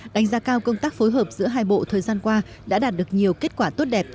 đánh giá cao công tác phối hợp giữa hai bộ thời gian qua đã đạt được nhiều kết quả tốt đẹp